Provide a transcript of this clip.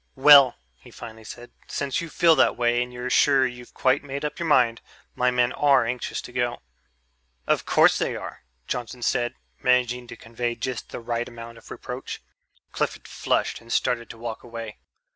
"Well," he finally said, "since you feel that way and you're sure you've quite made up your mind, my men are anxious to go." "Of course they are," Johnson said, managing to convey just the right amount of reproach. Clifford flushed and started to walk away.